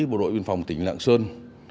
bộ đội biên phòng tỉnh lãng sơn